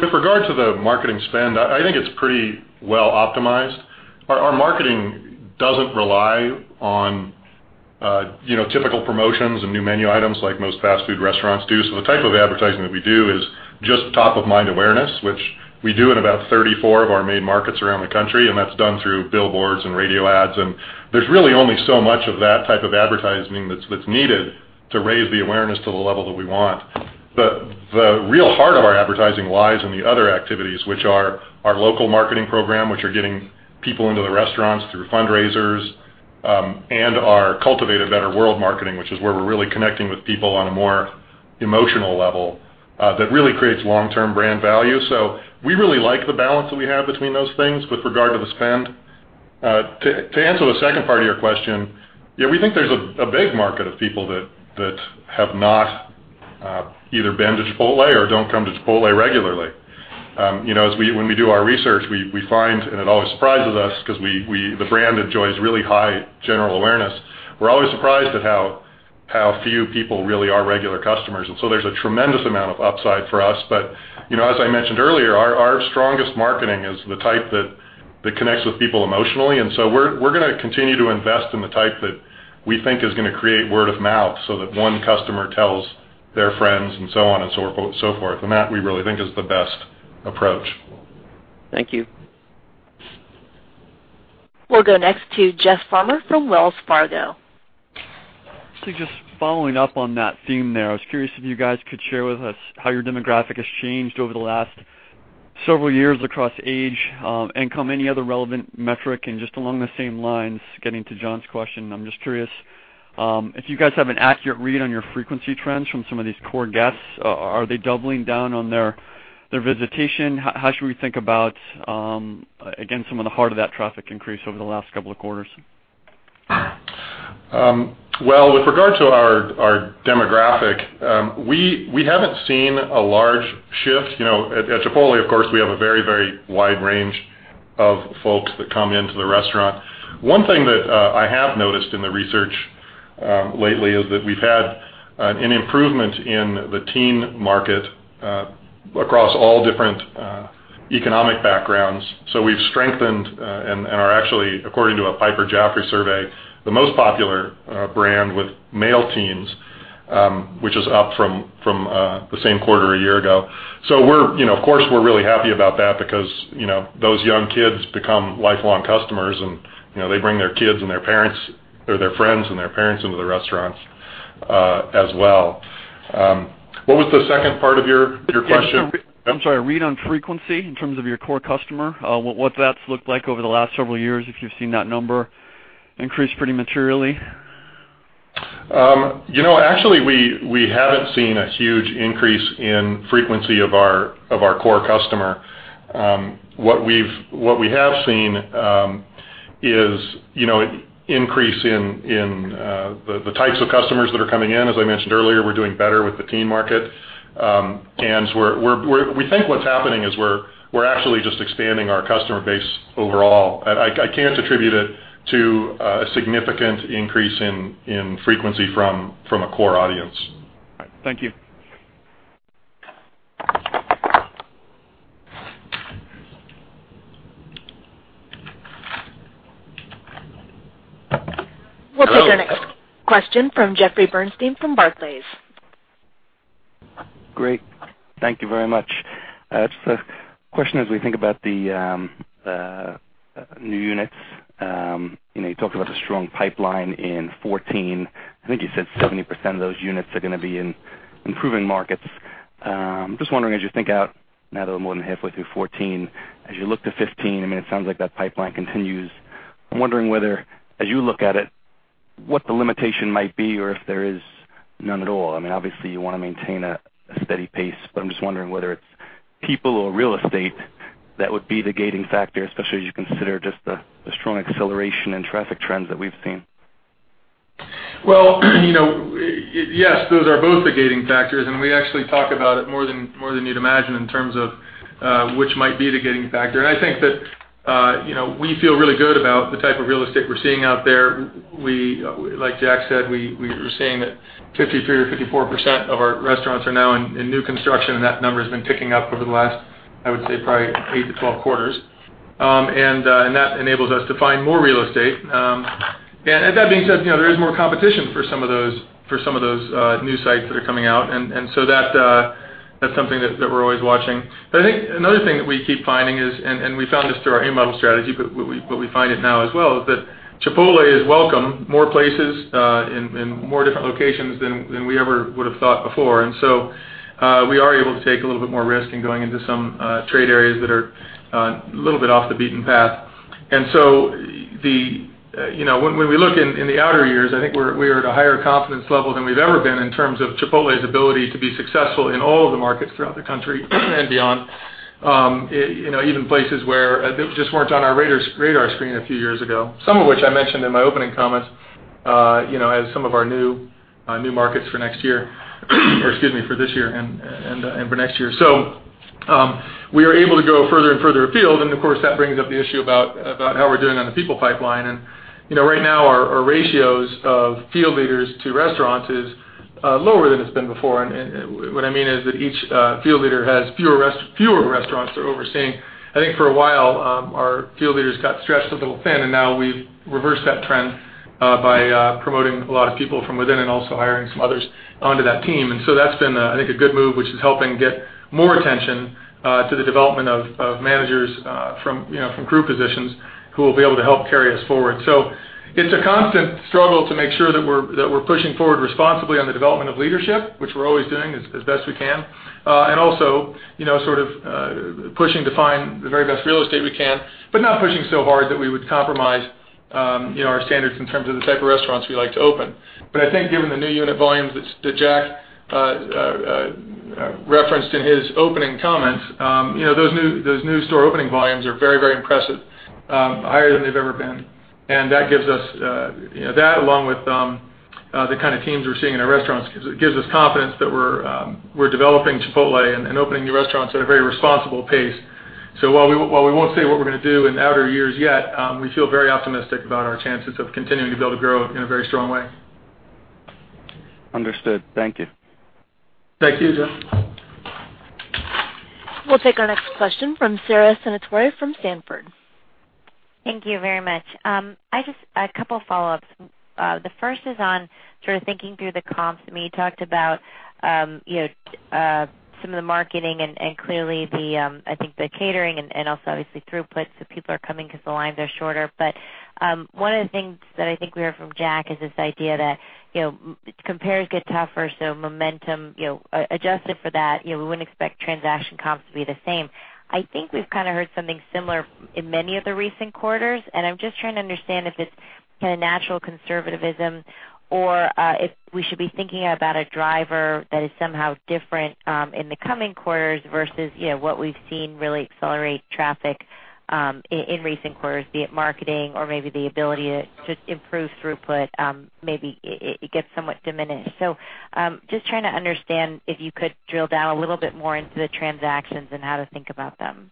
S8: With regard to the marketing spend, I think it's pretty well optimized. Our marketing doesn't rely on typical promotions and new menu items like most fast food restaurants do. The type of advertising that we do is just top of mind awareness, which we do in about 34 of our main markets around the country, that's done through billboards and radio ads, there's really only so much of that type of advertising that's needed to raise the awareness to the level that we want. The real heart of our advertising lies in the other activities, which are our local marketing program, which are getting people into the restaurants through fundraisers, our Cultivate a Better World marketing, which is where we're really connecting with people on a more emotional level, that really creates long-term brand value. We really like the balance that we have between those things with regard to the spend. To answer the second part of your question, yeah, we think there's a big market of people that have not either been to Chipotle or don't come to Chipotle regularly. When we do our research, we find, it always surprises us because the brand enjoys really high general awareness, we're always surprised at how few people really are regular customers, there's a tremendous amount of upside for us. As I mentioned earlier, our strongest marketing is the type that connects with people emotionally, we're going to continue to invest in the type that we think is going to create word of mouth, so that one customer tells their friends and so on and so forth, that we really think is the best approach.
S7: Thank you.
S1: We'll go next to Jeff Farmer from Wells Fargo.
S9: Just following up on that theme there, I was curious if you guys could share with us how your demographic has changed over the last several years across age, income, any other relevant metric. Just along the same lines, getting to John's question, I'm just curious if you guys have an accurate read on your frequency trends from some of these core guests. Are they doubling down on their visitation? How should we think about, again, some of the heart of that traffic increase over the last couple of quarters?
S8: With regard to our demographic, we haven't seen a large shift. At Chipotle, of course, we have a very wide range of folks that come into the restaurant. One thing that I have noticed in the research lately is that we've had an improvement in the teen market across all different economic backgrounds. We've strengthened and are actually, according to a Piper Jaffray survey, the most popular brand with male teens, which is up from the same quarter a year ago. Of course, we're really happy about that because those young kids become lifelong customers, and they bring their kids and their friends and their parents into the restaurants as well. What was the second part of your question?
S9: I'm sorry, read on frequency in terms of your core customer, what's that looked like over the last several years, if you've seen that number increase pretty materially?
S8: Actually, we haven't seen a huge increase in frequency of our core customer. What we have seen is increase in the types of customers that are coming in. As I mentioned earlier, we're doing better with the teen market. We think what's happening is we're actually just expanding our customer base overall. I can't attribute it to a significant increase in frequency from a core audience.
S9: All right. Thank you.
S1: We'll take our next question from Jeffrey Bernstein from Barclays.
S10: Great. Thank you very much. Just a question as we think about the new units. You talked about a strong pipeline in 2014. I think you said 70% of those units are going to be in improving markets. I'm just wondering, as you think out now that we're more than halfway through 2014, as you look to 2015, it sounds like that pipeline continues. I'm wondering whether, as you look at it, what the limitation might be or if there is none at all. Obviously, you want to maintain a steady pace. I'm just wondering whether it's people or real estate that would be the gating factor, especially as you consider just the strong acceleration in traffic trends that we've seen.
S4: Well, yes, those are both the gating factors. We actually talk about it more than you'd imagine in terms of which might be the gating factor. I think that we feel really good about the type of real estate we're seeing out there. Like Jack said, we're seeing that 53% or 54% of our restaurants are now in new construction. That number has been ticking up over the last, I would say, probably eight to 12 quarters. That enables us to find more real estate. That being said, there is more competition for some of those new sites that are coming out. That's something that we're always watching. I think another thing that we keep finding is, we found this through our A Model strategy, we find it now as well, that Chipotle is welcome more places in more different locations than we ever would have thought before. We are able to take a little bit more risk in going into some trade areas that are a little bit off the beaten path. When we look in the outer years, I think we are at a higher confidence level than we've ever been in terms of Chipotle's ability to be successful in all of the markets throughout the country and beyond. Even places where just weren't on our radar screen a few years ago, some of which I mentioned in my opening comments, as some of our new markets for next year, excuse me, for this year and for next year. We are able to go further and further afield, of course, that brings up the issue about how we're doing on the people pipeline. Right now, our ratios of field leaders to restaurants is lower than it's been before. What I mean is that each field leader has fewer restaurants they're overseeing. I think for a while, our field leaders got stretched a little thin. Now we've reversed that trend by promoting a lot of people from within and also hiring some others onto that team. That's been, I think, a good move, which is helping get more attention to the development of managers from crew positions who will be able to help carry us forward. It's a constant struggle to make sure that we're pushing forward responsibly on the development of leadership, which we're always doing as best we can. Also pushing to find the very best real estate we can, not pushing so hard that we would compromise our standards in terms of the type of restaurants we like to open. I think given the new unit volumes that Jack referenced in his opening comments, those new store opening volumes are very impressive, higher than they've ever been. That, along with the kind of teams we're seeing in our restaurants, gives us confidence that we're developing Chipotle and opening new restaurants at a very responsible pace. While we won't say what we're going to do in outer years yet, we feel very optimistic about our chances of continuing to be able to grow in a very strong way.
S10: Understood. Thank you.
S4: Thank you, Jeff.
S1: We'll take our next question from Sara Senatore from Sanford.
S11: Thank you very much. I just a couple follow-ups. The first is on sort of thinking through the comps. You talked about some of the marketing and clearly, I think the catering and also obviously throughput, so people are coming because the lines are shorter. One of the things that I think we heard from Jack is this idea that compares get tougher, so momentum adjusted for that, we wouldn't expect transaction comps to be the same. I think we've kind of heard something similar in many of the recent quarters, and I'm just trying to understand if it's kind of natural conservativism or if we should be thinking about a driver that is somehow different in the coming quarters versus what we've seen really accelerate traffic in recent quarters, be it marketing or maybe the ability to improve throughput, maybe it gets somewhat diminished. Just trying to understand if you could drill down a little bit more into the transactions and how to think about them.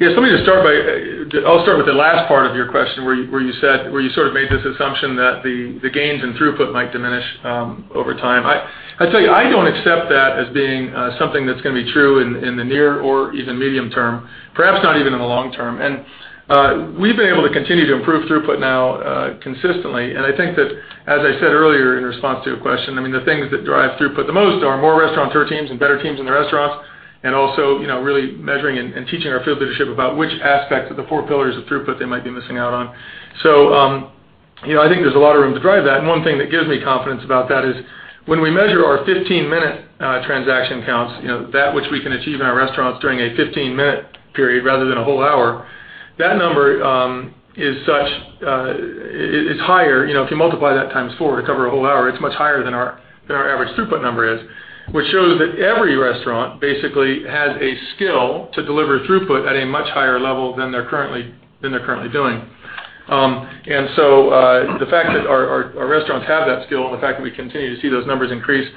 S4: Yes. Let me just start with the last part of your question, where you sort of made this assumption that the gains in throughput might diminish over time. I tell you, I don't accept that as being something that's going to be true in the near or even medium term, perhaps not even in the long term. We've been able to continue to improve throughput now consistently, and I think that, as I said earlier in response to your question, the things that drive throughput the most are more Restaurateurs teams and better teams in the restaurants, and also really measuring and teaching our field leadership about which aspects of the Four Pillars of Great Throughput they might be missing out on. I think there's a lot of room to drive that. One thing that gives me confidence about that is when we measure our 15-minute transaction counts, that which we can achieve in our restaurants during a 15-minute period rather than a whole hour, that number is higher. If you multiply that times four to cover a whole hour, it's much higher than our average throughput number is, which shows that every restaurant basically has a skill to deliver throughput at a much higher level than they're currently doing. The fact that our restaurants have that skill and the fact that we continue to see those numbers increase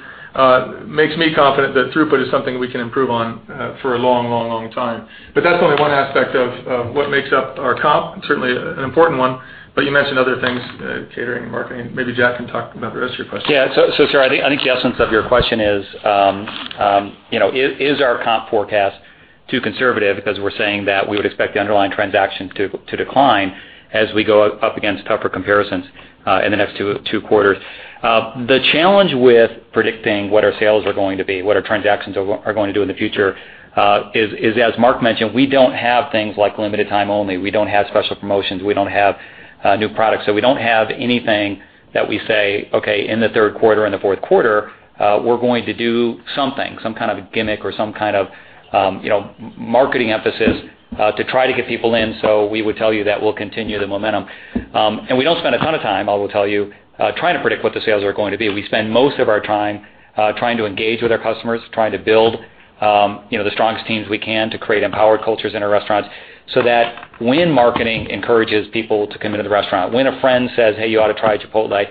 S4: makes me confident that throughput is something we can improve on for a long time. That's only one aspect of what makes up our comp, certainly an important one, but you mentioned other things, catering and marketing. Maybe Jack can talk about the rest of your question.
S5: Sara, I think the essence of your question is our comp forecast too conservative because we're saying that we would expect the underlying transaction to decline as we go up against tougher comparisons in the next two quarters? The challenge with predicting what our sales are going to be, what our transactions are going to do in the future is as Mark mentioned, we don't have things like limited time only. We don't have special promotions. We don't have new products. We don't have anything that we say, "Okay, in the third quarter and the fourth quarter, we're going to do something," some kind of gimmick or some kind of marketing emphasis to try to get people in, we would tell you that we'll continue the momentum. We don't spend a ton of time, I will tell you, trying to predict what the sales are going to be. We spend most of our time trying to engage with our customers, trying to build the strongest teams we can to create empowered cultures in our restaurants, so that when marketing encourages people to come into the restaurant, when a friend says, "Hey, you ought to try Chipotle,"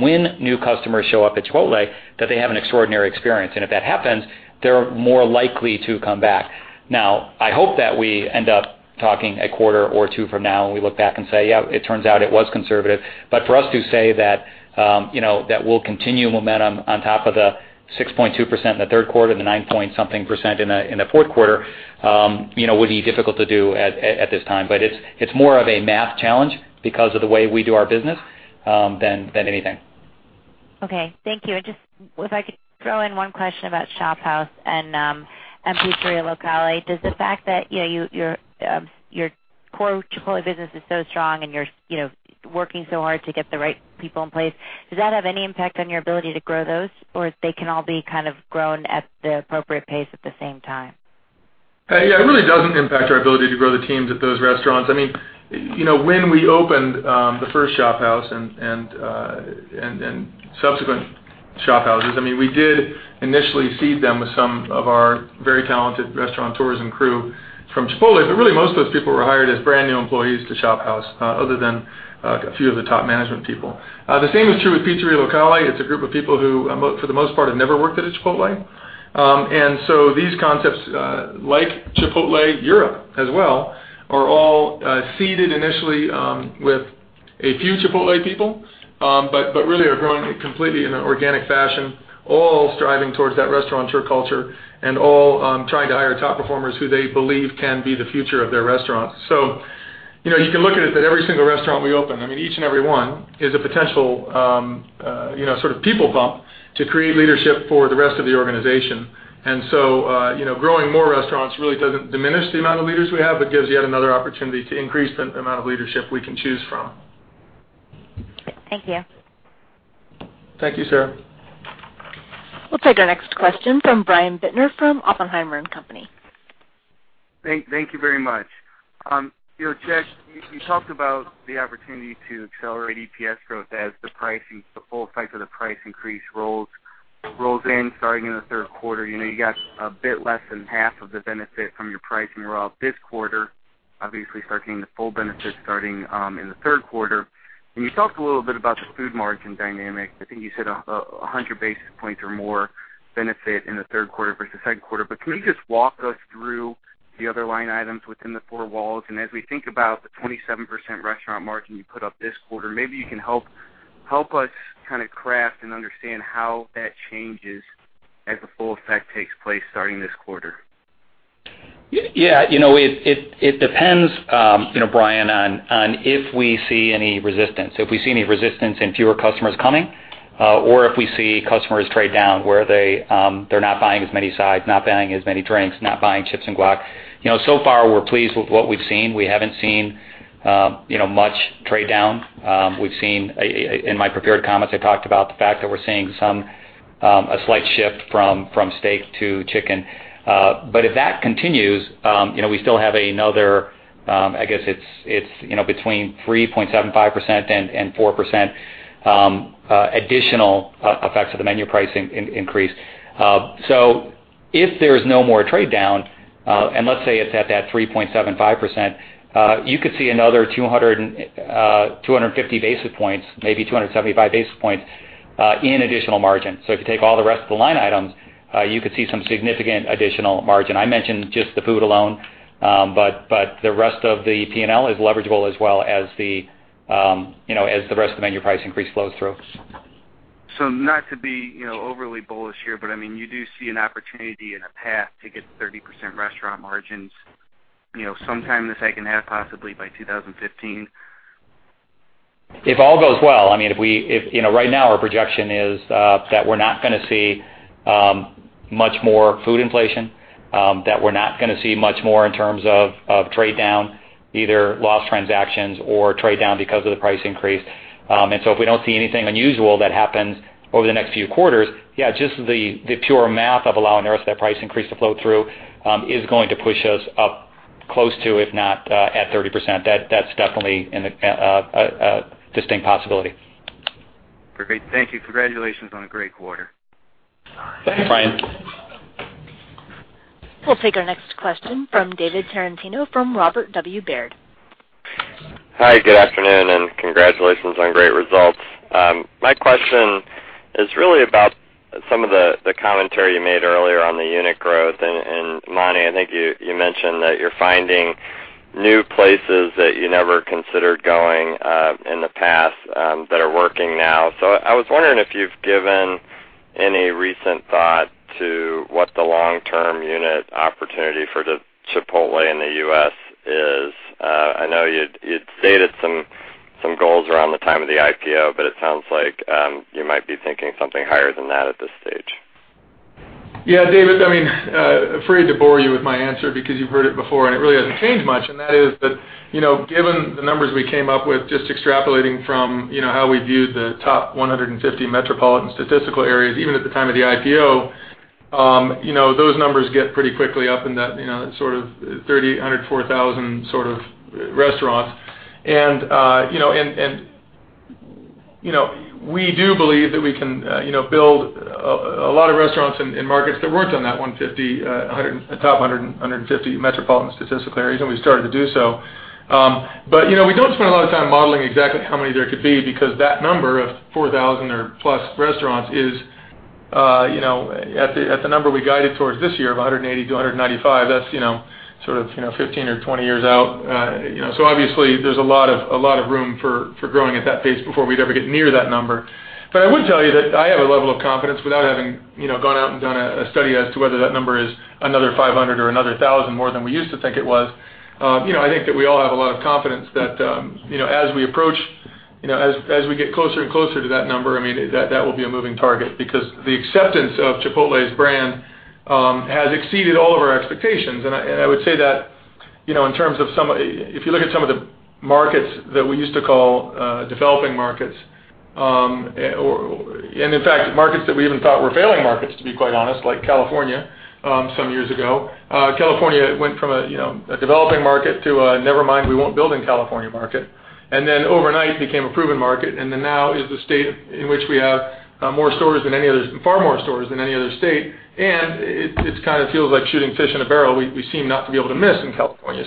S5: when new customers show up at Chipotle, that they have an extraordinary experience. If that happens, they're more likely to come back. I hope that we end up talking a quarter or two from now, and we look back and say, "Yeah, it turns out it was conservative." For us to say that we'll continue momentum on top of the 6.2% in the third quarter and the nine point something % in the fourth quarter would be difficult to do at this time. It's more of a math challenge because of the way we do our business than anything.
S11: Thank you. Just if I could throw in one question about ShopHouse and Pizzeria Locale. Does the fact that your core Chipotle business is so strong, and you're working so hard to get the right people in place, does that have any impact on your ability to grow those? They can all be kind of grown at the appropriate pace at the same time?
S4: Yeah, it really doesn't impact our ability to grow the teams at those restaurants. When we opened the first ShopHouse and subsequent ShopHouses, we did initially seed them with some of our very talented Restaurateurs and crew from Chipotle, but really most of those people were hired as brand-new employees to ShopHouse other than a few of the top management people. The same is true with Pizzeria Locale. It's a group of people who, for the most part, have never worked at a Chipotle. These concepts like Chipotle Europe as well, are all seeded initially with a few Chipotle people, but really are growing completely in an organic fashion, all striving towards that Restaurateur culture and all trying to hire top performers who they believe can be the future of their restaurants. You can look at it that every single restaurant we open, each and every one, is a potential sort of people bump to create leadership for the rest of the organization. Growing more restaurants really doesn't diminish the amount of leaders we have, but gives yet another opportunity to increase the amount of leadership we can choose from.
S11: Thank you.
S4: Thank you, Sara.
S1: We'll take our next question from Brian Bittner from Oppenheimer & Co.
S12: Thank you very much. Jack, you talked about the opportunity to accelerate EPS growth as the pricing, the full effect of the price increase rolls in starting in the third quarter. You got a bit less than half of the benefit from your pricing rollout this quarter, obviously starting the full benefit starting in the third quarter. You talked a little bit about the food margin dynamic. I think you said 100 basis points or more benefit in the third quarter versus second quarter. Can you just walk us through the other line items within the four walls? As we think about the 27% restaurant margin you put up this quarter, maybe you can help us kind of craft and understand how that changes as the full effect takes place starting this quarter.
S5: Yeah. It depends, Brian, on if we see any resistance. If we see any resistance in fewer customers coming, or if we see customers trade down, where they're not buying as many sides, not buying as many drinks, not buying chips and guac. We're pleased with what we've seen. We haven't seen much trade down. In my prepared comments, I talked about the fact that we're seeing a slight shift from steak to chicken. If that continues, we still have another, I guess, it's between 3.75% and 4% additional effects of the menu pricing increase. If there's no more trade down, and let's say it's at that 3.75%, you could see another 250 basis points, maybe 275 basis points in additional margin. If you take all the rest of the line items, you could see some significant additional margin. I mentioned just the food alone, the rest of the P&L is leverageable as well as the rest of the menu price increase flows through.
S12: Not to be overly bullish here, but you do see an opportunity and a path to get 30% restaurant margins, sometime in the second half, possibly by 2015?
S5: If all goes well. Right now our projection is that we're not going to see much more food inflation, that we're not going to see much more in terms of trade down, either lost transactions or trade down because of the price increase. If we don't see anything unusual that happens over the next few quarters, yeah, just the pure math of allowing the rest of that price increase to flow through, is going to push us up close to, if not at 30%. That's definitely a distinct possibility.
S12: Great. Thank you. Congratulations on a great quarter.
S5: Thank you, Brian.
S1: We'll take our next question from David Tarantino, from Robert W. Baird.
S13: Hi, good afternoon, congratulations on great results. My question is really about some of the commentary you made earlier on the unit growth. Monty, I think you mentioned that you're finding new places that you never considered going in the past, that are working now. I was wondering if you've given any recent thought to what the long-term unit opportunity for Chipotle in the U.S. is. I know you'd stated some goals around the time of the IPO, but it sounds like you might be thinking something higher than that at this stage.
S4: Yeah, David, afraid to bore you with my answer because you've heard it before, it really hasn't changed much, and that is that, given the numbers we came up with, just extrapolating from how we viewed the top 150 metropolitan statistical areas, even at the time of the IPO, those numbers get pretty quickly up in that sort of 3,400 sort of restaurant. We do believe that we can build a lot of restaurants in markets that weren't on that top 150 metropolitan statistical areas, and we've started to do so. We don't spend a lot of time modeling exactly how many there could be, because that number of 4,000 or plus restaurants is at the number we guided towards this year of 180 to 195. That's sort of 15 or 20 years out. Obviously there's a lot of room for growing at that pace before we'd ever get near that number. I would tell you that I have a level of confidence without having gone out and done a study as to whether that number is another 500 or another 1,000 more than we used to think it was. I think that we all have a lot of confidence that, as we get closer and closer to that number, that will be a moving target, because the acceptance of Chipotle as a brand has exceeded all of our expectations. I would say that, if you look at some of the markets that we used to call developing markets, in fact, markets that we even thought were failing markets, to be quite honest, like California some years ago. California went from a developing market to a never mind, we won't build in California market. Overnight became a proven market, now is the state in which we have far more stores than any other state, and it kind of feels like shooting fish in a barrel. We seem not to be able to miss in California.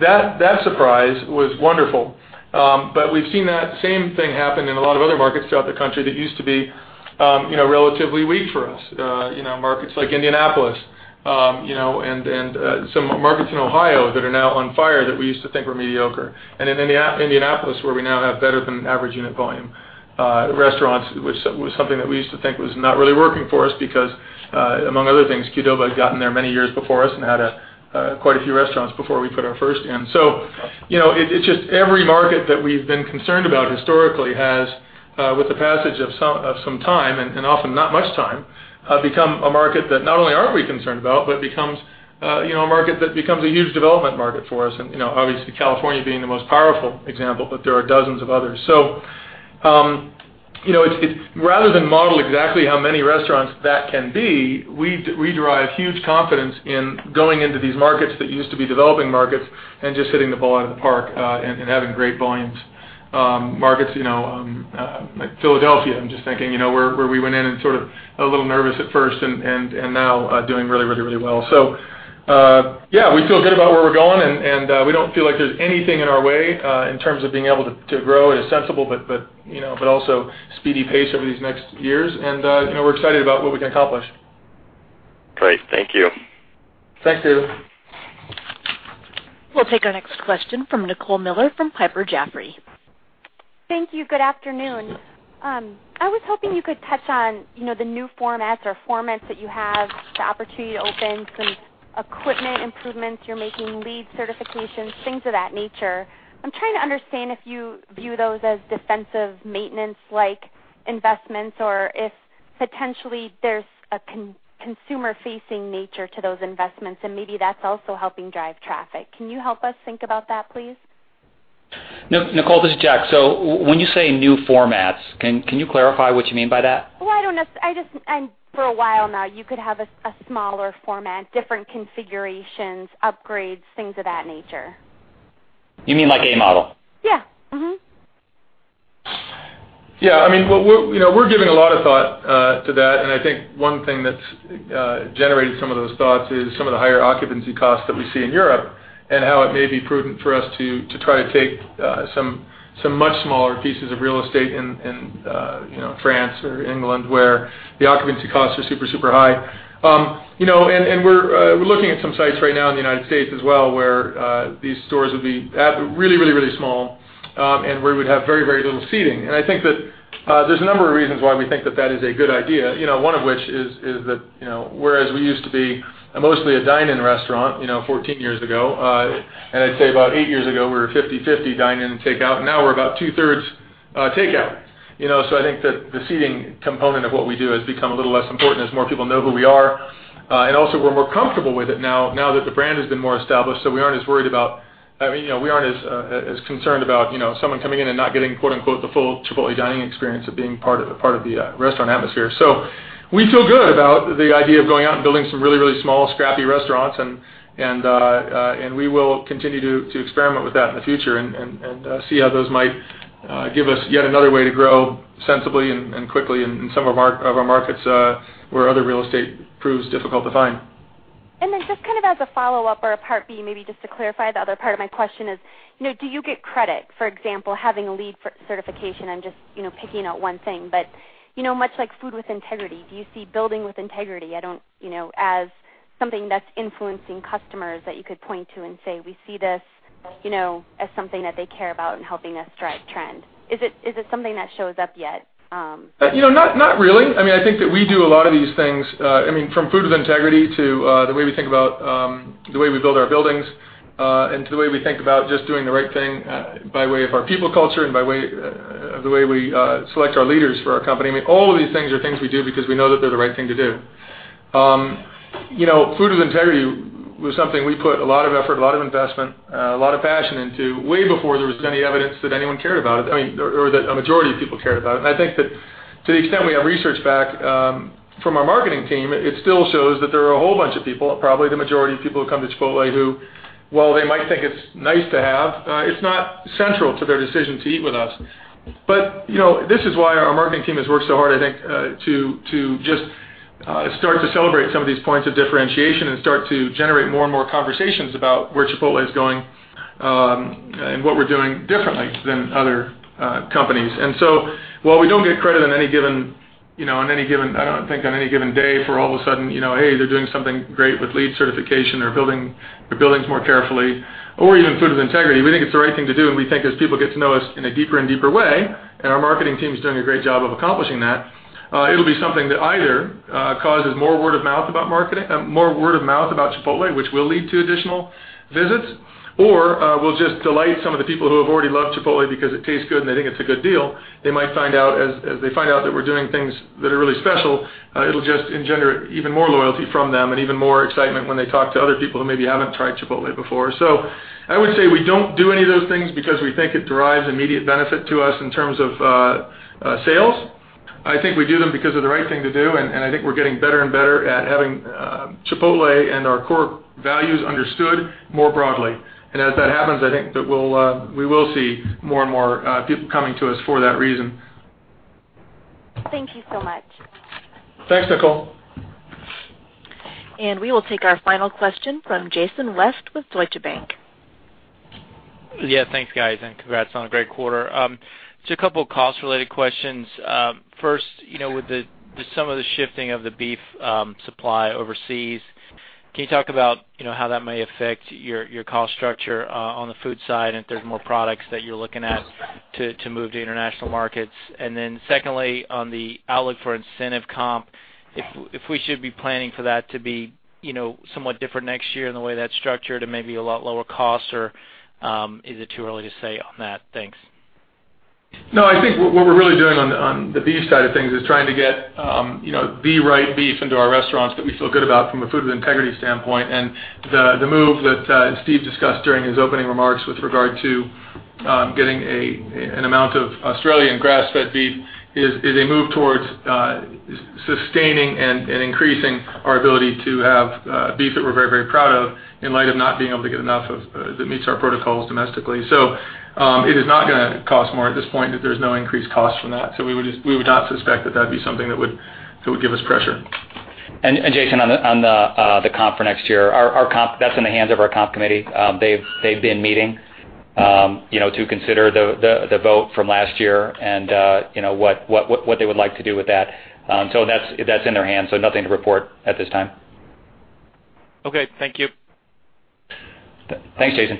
S4: That surprise was wonderful. We've seen that same thing happen in a lot of other markets throughout the country that used to be relatively weak for us. Markets like Indianapolis, and some markets in Ohio that are now on fire that we used to think were mediocre. In Indianapolis, where we now have better than average unit volume restaurants, was something that we used to think was not really working for us because, among other things, Qdoba had gotten there many years before us and had quite a few restaurants before we put our first in. It's just every market that we've been concerned about historically has, with the passage of some time, and often not much time, become a market that not only aren't we concerned about, but becomes a market that becomes a huge development market for us. Obviously California being the most powerful example, but there are dozens of others. Rather than model exactly how many restaurants that can be, we derive huge confidence in going into these markets that used to be developing markets and just hitting the ball out of the park and having great volumes. Markets like Philadelphia, I'm just thinking, where we went in and sort of a little nervous at first and now doing really well. Yeah, we feel good about where we're going, and we don't feel like there's anything in our way in terms of being able to grow at a sensible but also speedy pace over these next years. We're excited about what we can accomplish.
S13: Great. Thank you.
S4: Thanks, David.
S1: We'll take our next question from Nicole Miller, from Piper Jaffray.
S14: Thank you. Good afternoon. I was hoping you could touch on the new formats or formats that you have the opportunity to open, some equipment improvements you're making, LEED certifications, things of that nature. I'm trying to understand if you view those as defensive maintenance like investments or if potentially there's a consumer-facing nature to those investments and maybe that's also helping drive traffic. Can you help us think about that, please?
S5: Nicole, this is Jack. When you say new formats, can you clarify what you mean by that?
S14: Well, I don't know. For a while now, you could have a smaller format, different configurations, upgrades, things of that nature.
S5: You mean like A Model?
S14: Yeah.
S4: Yeah. We're giving a lot of thought to that, and I think one thing that's generated some of those thoughts is some of the higher occupancy costs that we see in Europe. How it may be prudent for us to try to take some much smaller pieces of real estate in France or England, where the occupancy costs are super high. We're looking at some sites right now in the United States as well, where these stores would be really small, and where we'd have very little seating. I think that there's a number of reasons why we think that that is a good idea. One of which is that, whereas we used to be mostly a dine-in restaurant 14 years ago, and I'd say about eight years ago, we were 50/50 dine-in and takeout, and now we're about two-thirds takeout. I think that the seating component of what we do has become a little less important as more people know who we are. Also we're more comfortable with it now that the brand has been more established, so we aren't as concerned about someone coming in and not getting quote unquote the full Chipotle dining experience of being part of the restaurant atmosphere. We feel good about the idea of going out and building some really small, scrappy restaurants, and we will continue to experiment with that in the future and see how those might give us yet another way to grow sensibly and quickly in some of our markets where other real estate proves difficult to find.
S14: Then just kind of as a follow-up or a part B, maybe just to clarify, the other part of my question is, do you get credit, for example, having a LEED certification? I'm just picking out one thing, but much like Food with Integrity, do you see building with integrity as something that's influencing customers that you could point to and say, "We see this as something that they care about and helping us drive trend." Is it something that shows up yet?
S4: Not really. I think that we do a lot of these things, from Food with Integrity to the way we build our buildings, and to the way we think about just doing the right thing by way of our people culture and by way of the way we select our leaders for our company. All of these things are things we do because we know that they're the right thing to do. Food with Integrity was something we put a lot of effort, a lot of investment, a lot of passion into way before there was any evidence that anyone cared about it, or that a majority of people cared about it. I think that to the extent we have research back from our marketing team, it still shows that there are a whole bunch of people, probably the majority of people who come to Chipotle, who, while they might think it's nice to have, it's not central to their decision to eat with us. This is why our marketing team has worked so hard, I think, to just start to celebrate some of these points of differentiation and start to generate more and more conversations about where Chipotle is going, and what we're doing differently than other companies. While we don't get credit, I don't think, on any given day for all of a sudden, "Hey, they're doing something great with LEED certification or building their buildings more carefully," or even Food with Integrity. We think it's the right thing to do, and we think as people get to know us in a deeper and deeper way, and our marketing team's doing a great job of accomplishing that, it'll be something that either causes more word of mouth about Chipotle, which will lead to additional visits, or will just delight some of the people who have already loved Chipotle because it tastes good and they think it's a good deal. They might find out, as they find out that we're doing things that are really special, it'll just engender even more loyalty from them and even more excitement when they talk to other people who maybe haven't tried Chipotle before. I would say we don't do any of those things because we think it derives immediate benefit to us in terms of sales. I think we do them because they're the right thing to do, and I think we're getting better and better at having Chipotle and our core values understood more broadly. As that happens, I think that we will see more and more people coming to us for that reason.
S14: Thank you so much.
S4: Thanks, Nicole.
S1: We will take our final question from Jason West with Deutsche Bank.
S15: Yeah, thanks, guys, and congrats on a great quarter. Just a couple of cost-related questions. First, with some of the shifting of the beef supply overseas, can you talk about how that may affect your cost structure on the food side if there's more products that you're looking at to move to international markets? Secondly, on the outlook for incentive comp, if we should be planning for that to be somewhat different next year in the way that's structured and maybe a lot lower cost, or is it too early to say on that? Thanks.
S4: No, I think what we're really doing on the beef side of things is trying to get the right beef into our restaurants that we feel good about from a Food with Integrity standpoint. The move that Steve discussed during his opening remarks with regard to getting an amount of Australian grass-fed beef is a move towards sustaining and increasing our ability to have beef that we're very proud of in light of not being able to get enough that meets our protocols domestically. It is not going to cost more at this point, that there's no increased cost from that. We would not suspect that that'd be something that would give us pressure.
S5: Jason, on the comp for next year, our comp, that's in the hands of our comp committee. They've been meeting to consider the vote from last year and what they would like to do with that. That's in their hands, so nothing to report at this time.
S15: Okay, thank you.
S5: Thanks, Jason.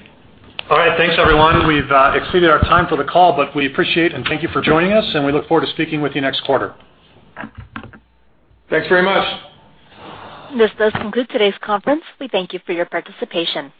S4: All right. Thanks everyone. We've exceeded our time for the call, but we appreciate and thank you for joining us, and we look forward to speaking with you next quarter.
S5: Thanks very much.
S1: This does conclude today's conference. We thank you for your participation.